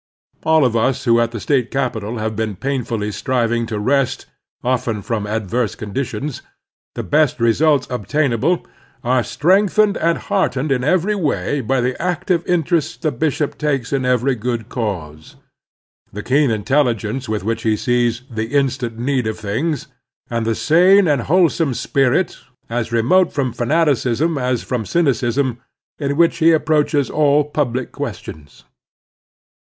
All of us who at the State capital have been painfully striving to wrest, often from adverse conditions, the best results obtainable, are strengthened and heartened in every way by the active interest the bishop takes in every good cause, the keen intel ligence with which he sees "the instant need of things," and the sane and wholesome spirit, as remote from fanaticism as from cynicism, in which he approaches all public questions.